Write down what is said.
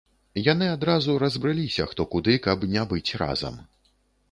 Яны адразу разбрыліся хто куды, каб не быць разам.